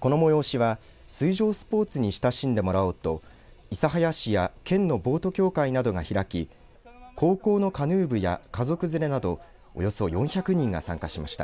この催しは水上スポーツに親しんでもらおうと諫早市や県のボート協会などが開き高校のカヌー部や家族連れなどおよそ４００人が参加しました。